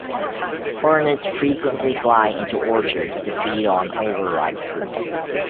Hornets frequently fly into orchards to feed on overripe fruit.